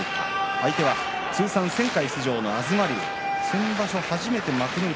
相手は通算１０００回出場の東龍。